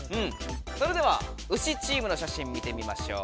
それではウシチームの写真見てみましょう。